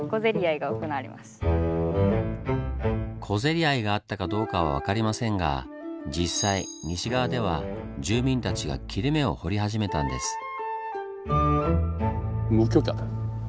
小競り合いがあったかどうかは分かりませんが実際西側では住民たちが切れ目を掘り始めたんです。